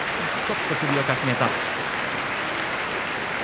ちょっと首をかしげた。